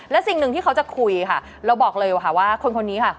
และสิ่งหนึ่งที่เขาจะคุยค่ะเราบอกเลยว่าคนนี้ค่ะ